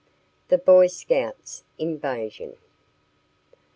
THE BOY SCOUTS' INVASION.